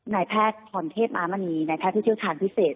นายแพทย์พรเทพม้ามณีในแพทย์ที่เที่ยวทางพิเศษ